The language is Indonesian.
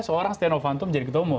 seorang steno vanto menjadi ketemu